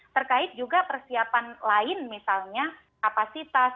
terkait juga persiapan lain misalnya kapasitas